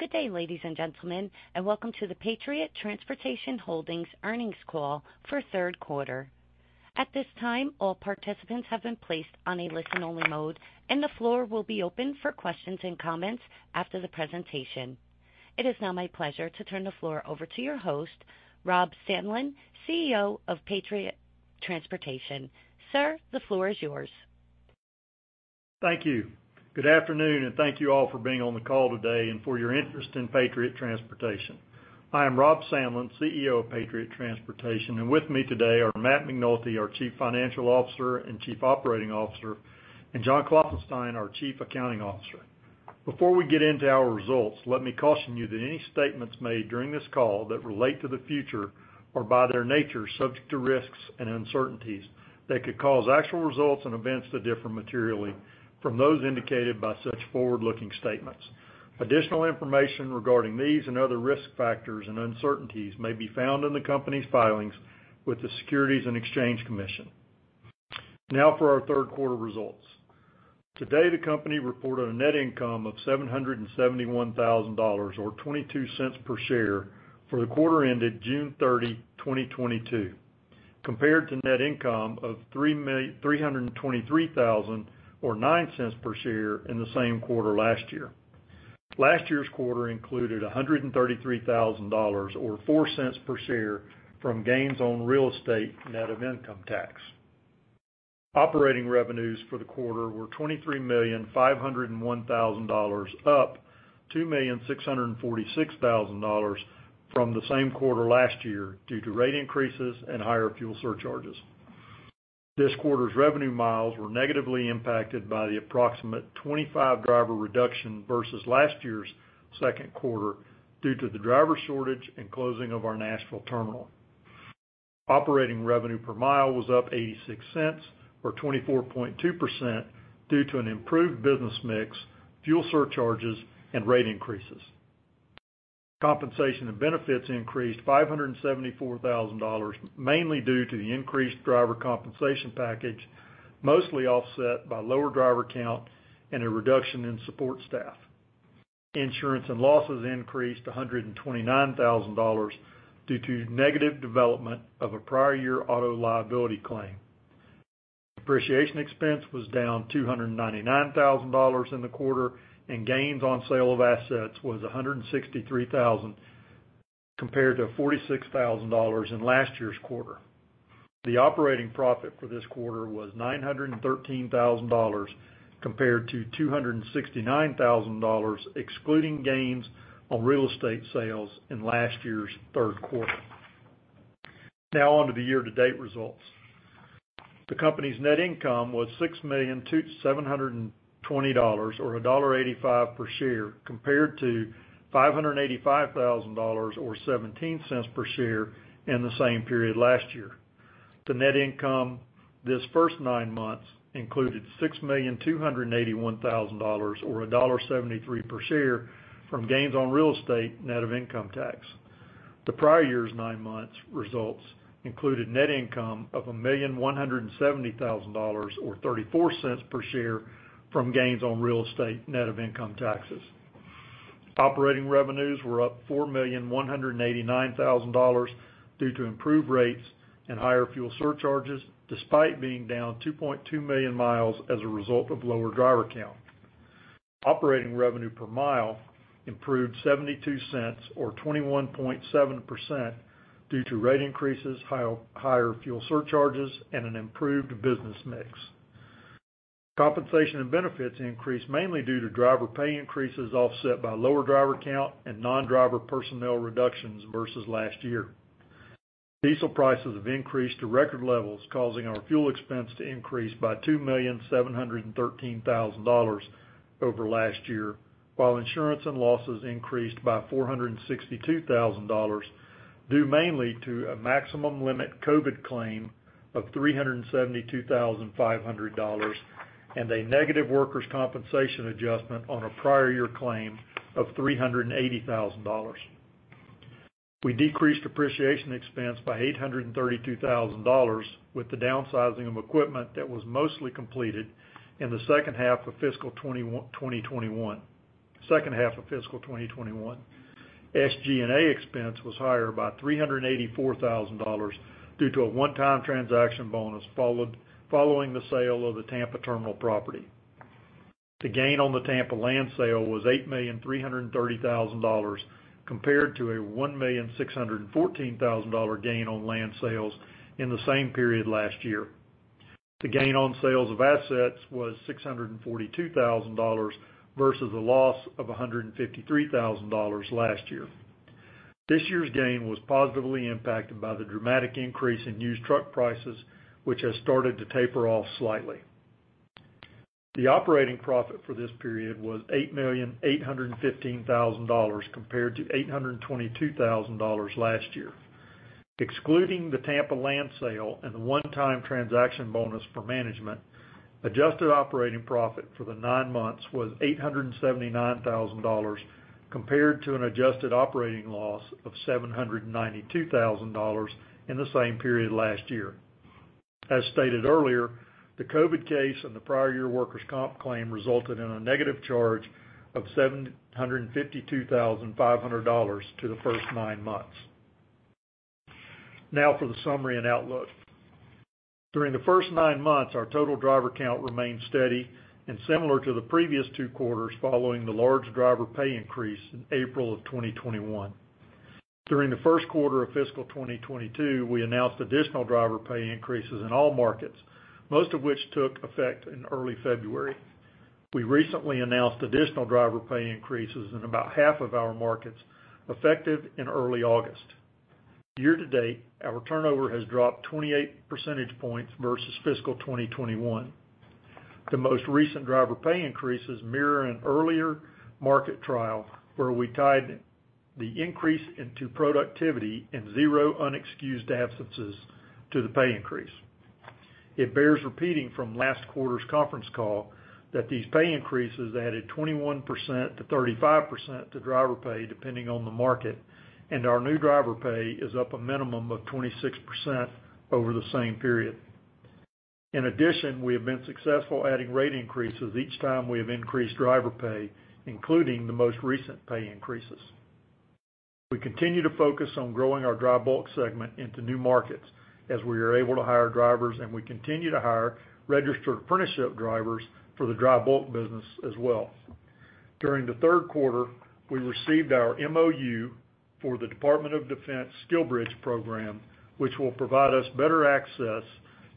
Good day, ladies and gentlemen, and welcome to the Patriot Transportation Holding earnings call for third quarter. At this time, all participants have been placed on a listen-only mode, and the floor will be open for questions and comments after the presentation. It is now my pleasure to turn the floor over to your host, Rob Sandlin, CEO of Patriot Transportation. Sir, the floor is yours. Thank you. Good afternoon, and thank you all for being on the call today and for your interest in Patriot Transportation. I am Rob Sandlin, CEO of Patriot Transportation, and with me today are Matt McNulty, our Chief Financial Officer and Chief Operating Officer, and John Klopfenstein, our Chief Accounting Officer. Before we get into our results, let me caution you that any statements made during this call that relate to the future are, by their nature, subject to risks and uncertainties that could cause actual results and events to differ materially from those indicated by such forward-looking statements. Additional information regarding these and other risk factors and uncertainties may be found in the Company's filings with the Securities and Exchange Commission. Now for our third quarter results. Today, the company reported a net income of $771,000 or $0.22 per share for the quarter ended June 30, 2022, compared to net income of $323,000 or $0.09 per share in the same quarter last year. Last year's quarter included $133,000 or $0.04 per share from gains on real estate net of income tax. Operating revenues for the quarter were $23,501,000, up $2,646,000 from the same quarter last year due to rate increases and higher fuel surcharges. This quarter's revenue miles were negatively impacted by the approximate 25 driver reduction versus last year's second quarter due to the driver shortage and closing of our Nashville terminal. Operating revenue per mile was up $0.86, or 24.2%, due to an improved business mix, fuel surcharges, and rate increases. Compensation and benefits increased $574,000, mainly due to the increased driver compensation package, mostly offset by lower driver count and a reduction in support staff. Insurance and losses increased $129,000 due to negative development of a prior year auto liability claim. Depreciation expense was down $299,000 in the quarter, and gains on sale of assets was $163,000 compared to $46,000 in last year's quarter. The operating profit for this quarter was $913,000 compared to $269,000, excluding gains on real estate sales in last year's third quarter. Now on to the year-to-date results. The company's net income was $6,000,720 or $1.85 per share, compared to $585,000 or $0.17 per share in the same period last year. The net income this first nine months included $6,281,000 or $1.73 per share from gains on real estate net of income tax. The prior year's nine months results included net income of $1,170,000 or $0.34 per share from gains on real estate net of income taxes. Operating revenues were up $4,189,000 due to improved rates and higher fuel surcharges, despite being down 2.2 million mi as a result of lower driver count. Operating revenue per mile improved $0.72 or 21.7% due to rate increases, higher fuel surcharges and an improved business mix. Compensation and benefits increased mainly due to driver pay increases offset by lower driver count and non-driver personnel reductions versus last year. Diesel prices have increased to record levels, causing our fuel expense to increase by $2,713,000 over last year, while insurance and losses increased by $462,000, due mainly to a maximum limit COVID claim of $372,500 and a negative workers' compensation adjustment on a prior year claim of $380,000. We decreased depreciation expense by $832,000 with the downsizing of equipment that was mostly completed in the second half of fiscal 2021. Second half of fiscal 2021. SG&A expense was higher by $384,000 due to a one-time transaction bonus following the sale of the Tampa terminal property. The gain on the Tampa land sale was $8,033,000 compared to a $1,614,000 gain on land sales in the same period last year. The gain on sales of assets was $642,000 versus a loss of $153,000 last year. This year's gain was positively impacted by the dramatic increase in used truck prices, which has started to taper off slightly. The operating profit for this period was $8,815,000 compared to $822,000 last year. Excluding the Tampa land sale and the one-time transaction bonus for management, adjusted operating profit for the nine months was $879,000 compared to an adjusted operating loss of $792,000 in the same period last year. As stated earlier, the COVID case and the prior year workers' comp claim resulted in a negative charge of $752,500 to the first nine months. Now for the summary and outlook. During the first nine months, our total driver count remained steady and similar to the previous two quarters following the large driver pay increase in April of 2021. During the first quarter of fiscal 2022, we announced additional driver pay increases in all markets, most of which took effect in early February. We recently announced additional driver pay increases in about half of our markets, effective in early August. Year to date, our turnover has dropped 28 percentage points versus fiscal 2021. The most recent driver pay increases mirror an earlier market trial where we tied the increase into productivity and zero unexcused absences to the pay increase. It bears repeating from last quarter's conference call that these pay increases added 21%-35% to driver pay, depending on the market, and our new driver pay is up a minimum of 26% over the same period. In addition, we have been successful adding rate increases each time we have increased driver pay, including the most recent pay increases. We continue to focus on growing our dry bulk segment into new markets as we are able to hire drivers, and we continue to hire registered apprenticeship drivers for the dry bulk business as well. During the third quarter, we received our MOU for the Department of Defense SkillBridge program, which will provide us better access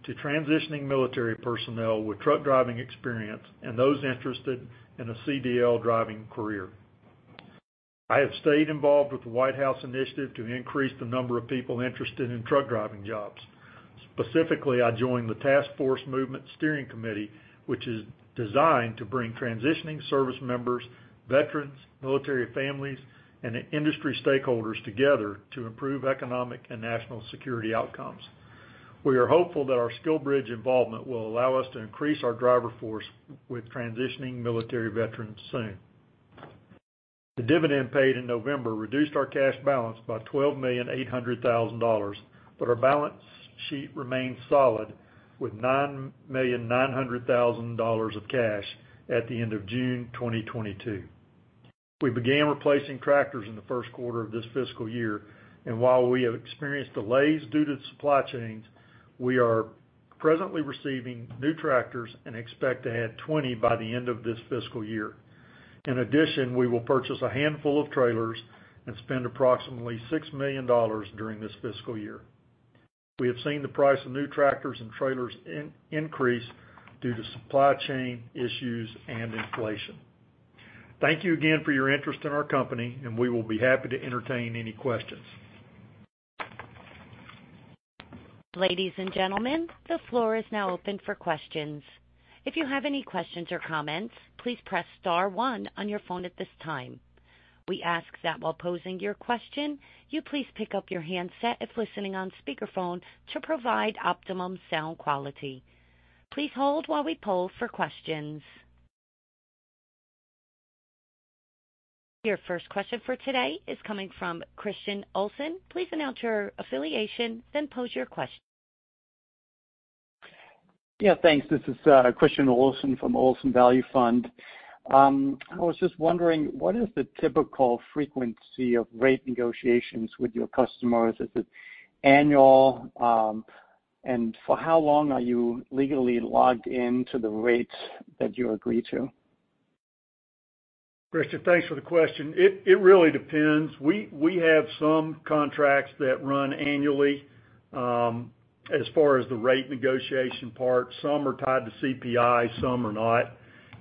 to transitioning military personnel with truck driving experience and those interested in a CDL driving career. I have stayed involved with the White House initiative to increase the number of people interested in truck driving jobs. Specifically, I joined the Task Force Movement Steering Committee, which is designed to bring transitioning service members, veterans, military families, and industry stakeholders together to improve economic and national security outcomes. We are hopeful that our SkillBridge involvement will allow us to increase our driver force with transitioning military veterans soon. The dividend paid in November reduced our cash balance by $12,800,000, but our balance sheet remains solid with $9,900,000 of cash at the end of June 2022. We began replacing tractors in the first quarter of this fiscal year, and while we have experienced delays due to supply chains, we are presently receiving new tractors and expect to add 20 by the end of this fiscal year. In addition, we will purchase a handful of trailers and spend approximately $6 million during this fiscal year. We have seen the price of new tractors and trailers increase due to supply chain issues and inflation. Thank you again for your interest in our company, and we will be happy to entertain any questions. Ladies and gentlemen, the floor is now open for questions. If you have any questions or comments, please press star one on your phone at this time. We ask that while posing your question, you please pick up your handset if listening on speakerphone to provide optimum sound quality. Please hold while we poll for questions. Your first question for today is coming from Christian Olsen. Please announce your affiliation, then pose your question. Yeah. Thanks. This is Christian Olsen from Olsen Value Fund. I was just wondering, what is the typical frequency of rate negotiations with your customers? Is it annual? For how long are you legally locked into the rates that you agree to? Christian, thanks for the question. It really depends. We have some contracts that run annually, as far as the rate negotiation part. Some are tied to CPI, some are not,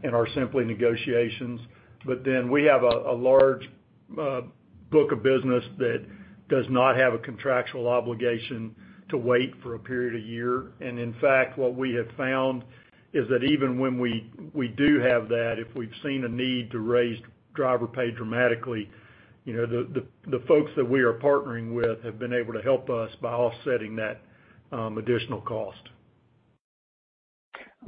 and are simply negotiations. We have a large book of business that does not have a contractual obligation to wait for a period of a year. In fact, what we have found is that even when we do have that, if we've seen a need to raise driver pay dramatically, you know, the folks that we are partnering with have been able to help us by offsetting that additional cost.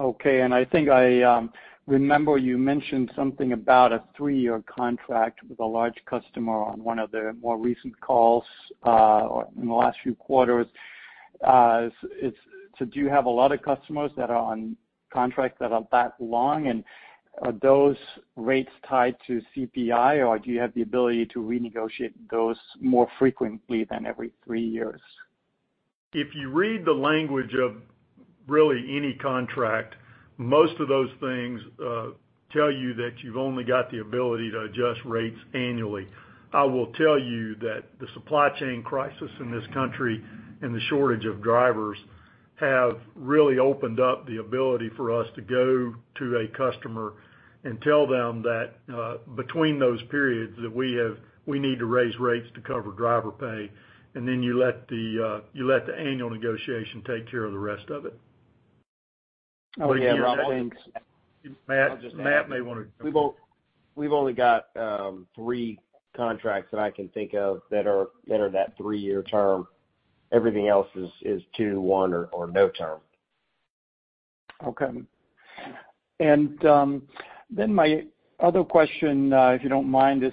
Okay. I think I remember you mentioned something about a three-year contract with a large customer on one of the more recent calls, or in the last few quarters. Do you have a lot of customers that are on contracts that are that long and are those rates tied to CPI, or do you have the ability to renegotiate those more frequently than every three years? If you read the language of really any contract, most of those things tell you that you've only got the ability to adjust rates annually. I will tell you that the supply chain crisis in this country and the shortage of drivers have really opened up the ability for us to go to a customer and tell them that, between those periods that we have, we need to raise rates to cover driver pay, and then you let the annual negotiation take care of the rest of it. Oh, yeah. Matt. We've only got three contracts that I can think of that are that three-year term. Everything else is two, one or no term. Okay. My other question, if you don't mind, is,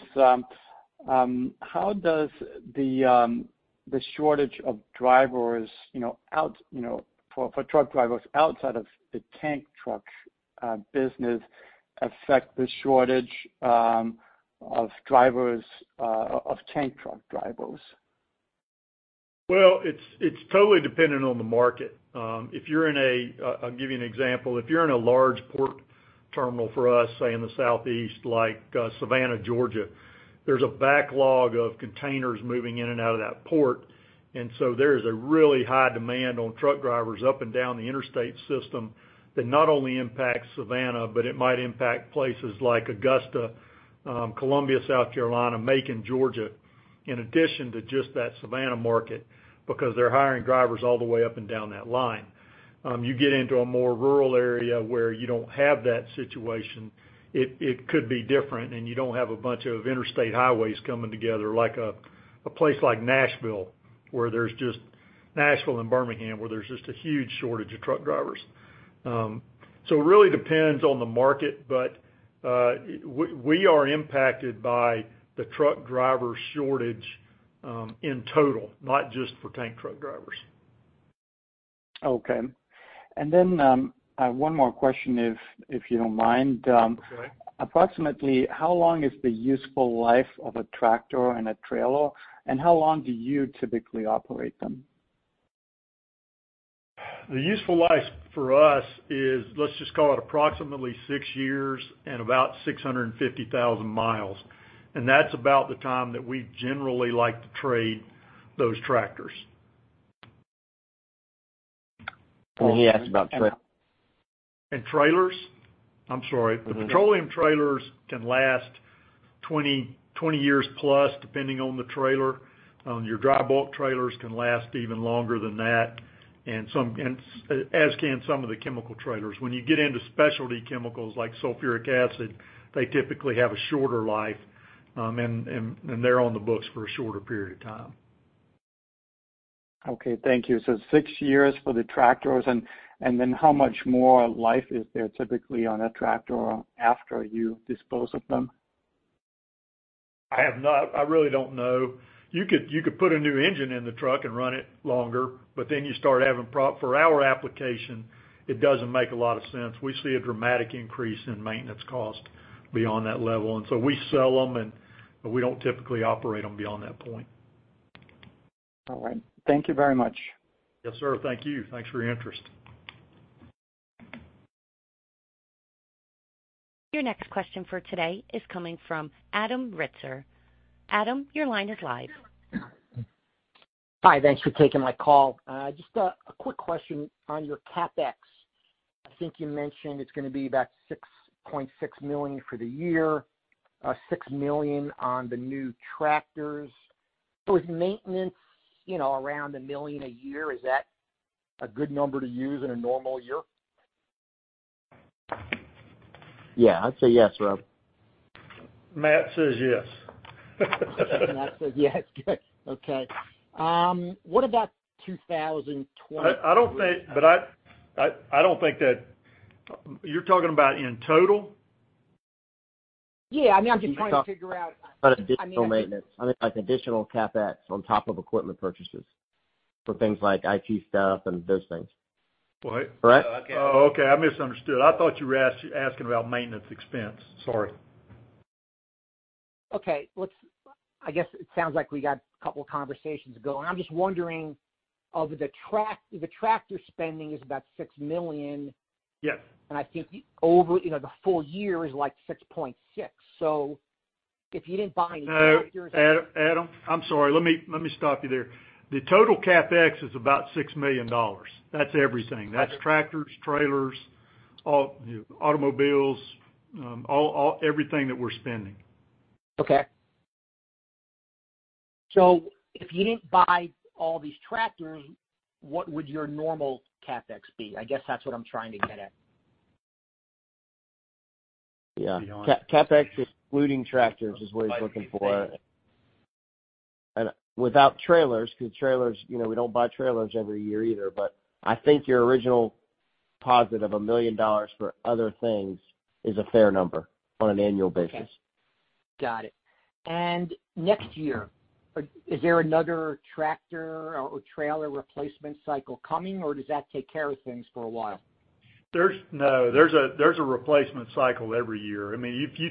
how does the shortage of drivers, you know, out, you know, for truck drivers outside of the tank truck business affect the shortage of drivers of tank truck drivers? Well, it's totally dependent on the market. If you're in a large port terminal for us, say in the southeast, like Savannah, Georgia, there's a backlog of containers moving in and out of that port. There is a really high demand on truck drivers up and down the interstate system that not only impacts Savannah, but it might impact places like Augusta, Columbia, South Carolina, Macon, Georgia, in addition to just that Savannah market, because they're hiring drivers all the way up and down that line. You get into a more rural area where you don't have that situation, it could be different, and you don't have a bunch of interstate highways coming together like a place like Nashville, where there's just. Nashville and Birmingham, where there's just a huge shortage of truck drivers. It really depends on the market, but we are impacted by the truck driver shortage, in total, not just for tank truck drivers. Okay. I have one more question if you don't mind. Okay. Approximately how long is the useful life of a tractor and a trailer, and how long do you typically operate them? The useful life for us is, let's just call it approximately six years and about 650,000 mi. That's about the time that we generally like to trade those tractors. He asked about trailers. Trailers? I'm sorry. Mm-hmm. The petroleum trailers can last 20 years+, depending on the trailer. Your dry bulk trailers can last even longer than that, and as can some of the chemical trailers. When you get into specialty chemicals like sulfuric acid, they typically have a shorter life, and they're on the books for a shorter period of time. Okay, thank you. Six years for the tractors, and then how much more life is there typically on a tractor after you dispose of them? I have not. I really don't know. You could put a new engine in the truck and run it longer, but then you start having problems. For our application, it doesn't make a lot of sense. We see a dramatic increase in maintenance cost beyond that level, and so we sell them and, but we don't typically operate them beyond that point. All right. Thank you very much. Yes, sir. Thank you. Thanks for your interest. Your next question for today is coming from Adam Ritzer. Adam, your line is live. Hi. Thanks for taking my call. Just a quick question on your CapEx. I think you mentioned it's gonna be about $6.6 million for the year, $6 million on the new tractors. Is maintenance, you know, around $1 million a year, is that a good number to use in a normal year? Yeah, I'd say yes, Rob. Matt says yes. Matt says yes. Good. Okay. What about 2020- I don't think that you're talking about in total? Yeah, I mean, I'm just trying to figure out. He's talking about additional maintenance. Additional CapEx on top of equipment purchases. Things like IT stuff and those things. Right. Correct? Okay. Oh, okay. I misunderstood. I thought you were asking about maintenance expense. Sorry. Okay. Let's, I guess it sounds like we got a couple conversations going. I'm just wondering, of the tractor spending is about $6 million. Yes. I think over, you know, the full year is, like, $6.6 million. If you didn't buy any tractors- No. Adam, I'm sorry. Let me stop you there. The total CapEx is about $6 million. That's everything. That's tractors, trailers, automobiles, all everything that we're spending. Okay. If you didn't buy all these tractors, what would your normal CapEx be? I guess that's what I'm trying to get at. Yeah. CapEx excluding tractors is what he's looking for. Without trailers, because trailers, you know, we don't buy trailers every year either, but I think your original posit of $1 million for other things is a fair number on an annual basis. Okay. Got it. Next year, is there another tractor or trailer replacement cycle coming, or does that take care of things for a while? There's a replacement cycle every year. I mean, if you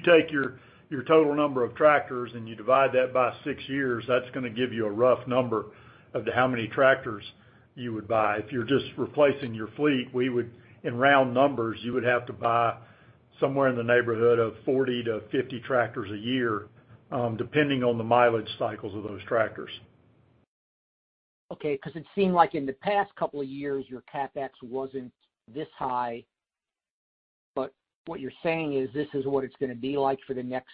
take your total number of tractors and you divide that by six years, that's gonna give you a rough number of to how many tractors you would buy. If you're just replacing your fleet, in round numbers, you would have to buy somewhere in the neighborhood of 40-50 tractors a year, depending on the mileage cycles of those tractors. Okay. 'Cause it seemed like in the past couple of years, your CapEx wasn't this high. What you're saying is this is what it's gonna be like for the next,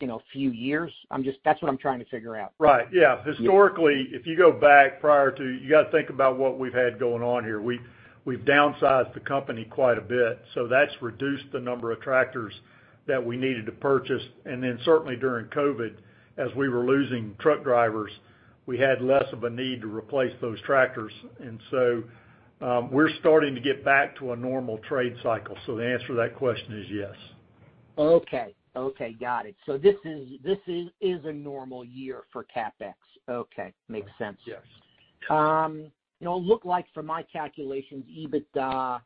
you know, few years? I'm just, that's what I'm trying to figure out. Right. Yeah. Historically, if you go back prior to, you gotta think about what we've had going on here. We've downsized the company quite a bit, so that's reduced the number of tractors that we needed to purchase. Certainly during COVID, as we were losing truck drivers, we had less of a need to replace those tractors. We're starting to get back to a normal trade cycle. The answer to that question is yes. Okay. Okay, got it. This is a normal year for CapEx. Okay, makes sense. Yes. You know, it looked like from my calculations, EBITDA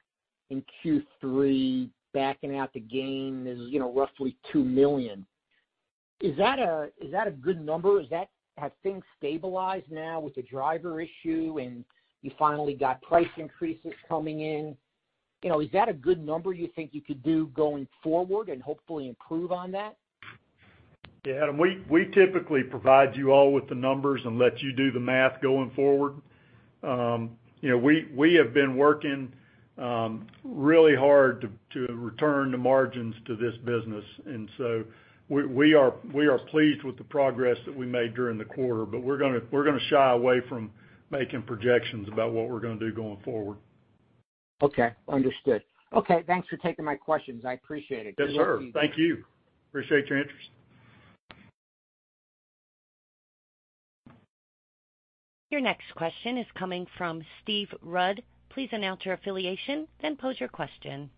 in Q3, backing out the gain is, you know, roughly $2 million. Is that a good number? Have things stabilized now with the driver issue and you finally got price increases coming in? You know, is that a good number you think you could do going forward and hopefully improve on that? Yeah, Adam, we typically provide you all with the numbers and let you do the math going forward. You know, we have been working really hard to return the margins to this business. We are pleased with the progress that we made during the quarter. We're gonna shy away from making projections about what we're gonna do going forward. Okay. Understood. Okay, thanks for taking my questions. I appreciate it. Yes, sir. Thank you. Appreciate your interest. Your next question is coming from Steve Rudd. Please announce your affiliation, then pose your question.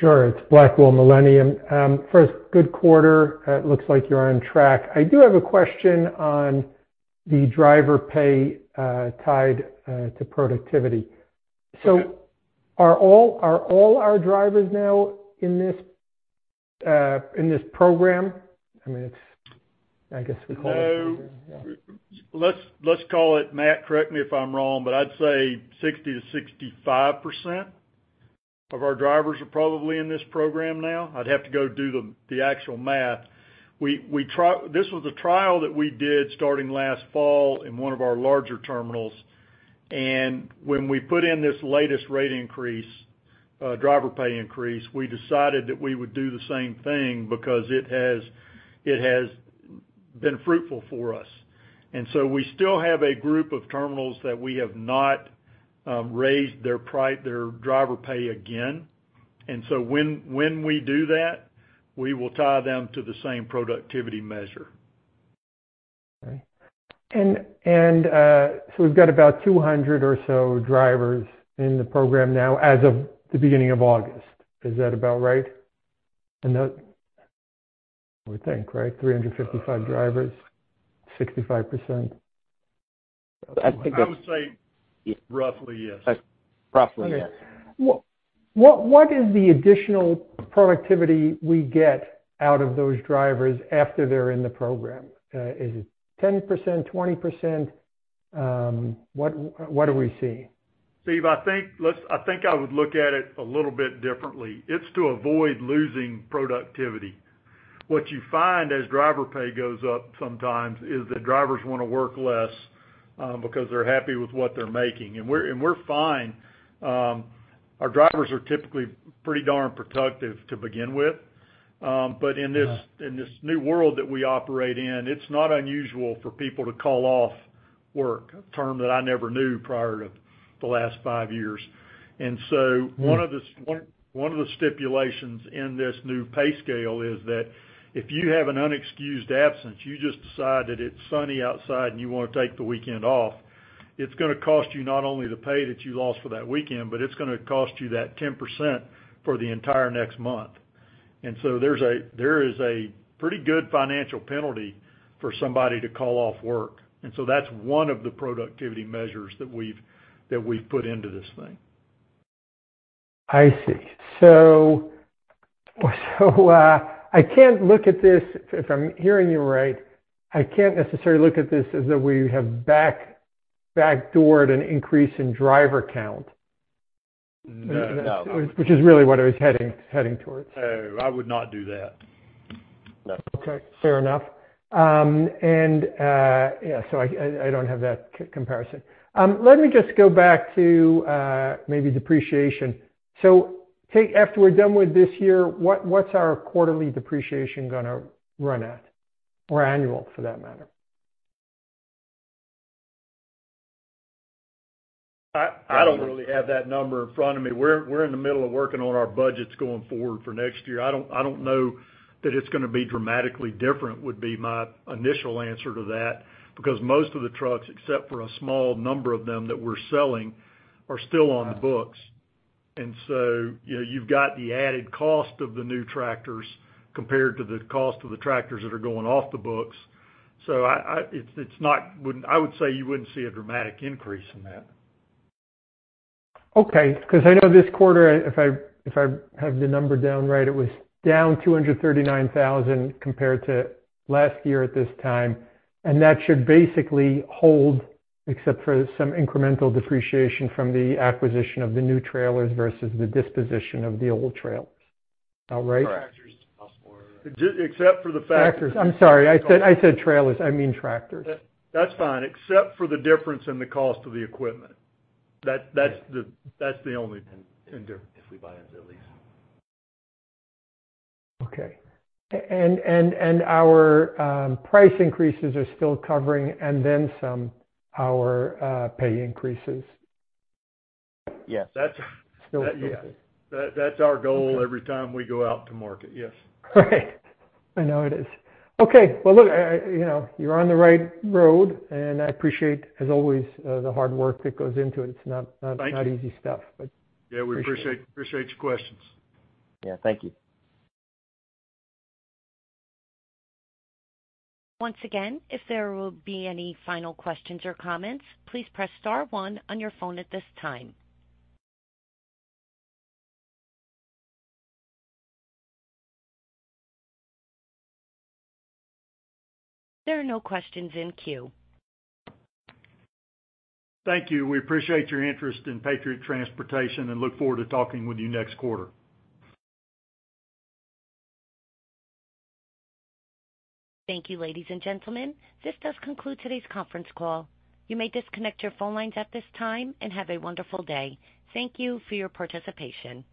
Sure. It's Blackwell Millennium. First, good quarter. It looks like you're on track. I do have a question on the driver pay, tied to productivity. Okay. Are all our drivers now in this program? I mean, it's I guess we call it- No. Yeah. Let's call it, Matt. Correct me if I'm wrong, but I'd say 60%-65% of our drivers are probably in this program now. I'd have to go do the actual math. This was a trial that we did starting last fall in one of our larger terminals. When we put in this latest rate increase, driver pay increase, we decided that we would do the same thing because it has been fruitful for us. We still have a group of terminals that we have not raised their price, their driver pay again. When we do that, we will tie them to the same productivity measure. Okay. We've got about 200 or so drivers in the program now as of the beginning of August. Is that about right? I know I would think, right, 355 drivers, 65%. I think that's. I would say roughly, yes. Roughly, yes. Okay. What is the additional productivity we get out of those drivers after they're in the program? Is it 10%? 20%? What are we seeing? Steve, I think I would look at it a little bit differently. It's to avoid losing productivity. What you find as driver pay goes up sometimes is that drivers wanna work less, because they're happy with what they're making. We're fine. Our drivers are typically pretty darn productive to begin with. Yeah. In this new world that we operate in, it's not unusual for people to call off work, a term that I never knew prior to the last five years. One of the stipulations in this new pay scale is that if you have an unexcused absence, you just decide that it's sunny outside and you wanna take the weekend off, it's gonna cost you not only the pay that you lost for that weekend, but it's gonna cost you that 10% for the entire next month. There is a pretty good financial penalty for somebody to call off work. That's one of the productivity measures that we've put into this thing. I see. I can't look at this. If I'm hearing you right, I can't necessarily look at this as though we have backdoored an increase in driver count. No. Which is really what I was heading towards. No, I would not do that. No. Okay, fair enough. I don't have that comparison. Let me just go back to maybe depreciation. After we're done with this year, what's our quarterly depreciation gonna run at? Or annual for that matter? I don't really have that number in front of me. We're in the middle of working on our budgets going forward for next year. I don't know that it's gonna be dramatically different would be my initial answer to that, because most of the trucks, except for a small number of them that we're selling, are still on the books. You know, you've got the added cost of the new tractors compared to the cost of the tractors that are going off the books. I would say you wouldn't see a dramatic increase in that. Okay, 'cause I know this quarter, if I have the number down right, it was down $239,000 compared to last year at this time, and that should basically hold, except for some incremental depreciation from the acquisition of the new trailers versus the disposition of the old trailers. Is that right? Tractors plus more. Except for the fact Tractors. I'm sorry. I said trailers, I mean tractors. That's fine. Except for the difference in the cost of the equipment. That's the only- If we buy them at least. Okay. Our price increases are still covering and then some our pay increases. Yes. That's yeah. That's our goal every time we go out to market. Yes. Right. I know it is. Okay. Well, look, you know, you're on the right road, and I appreciate, as always, the hard work that goes into it. It's not easy stuff, but. Yeah, we appreciate your questions. Yeah. Thank you. Once again, if there will be any final questions or comments, please press star one on your phone at this time. There are no questions in queue. Thank you. We appreciate your interest in Patriot Transportation and look forward to talking with you next quarter. Thank you, ladies and gentlemen. This does conclude today's conference call. You may disconnect your phone lines at this time and have a wonderful day. Thank you for your participation.